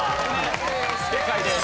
正解です。